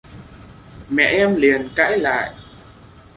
Mẹ em liền cãi lại